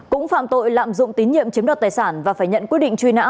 cũng phạm tội lạm dụng tín nhiệm chiếm đoạt tài sản và phải nhận quyết định truy nã